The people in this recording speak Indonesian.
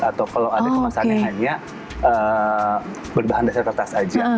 atau kalau ada kemasan yang hanya berbahan dasar kertas saja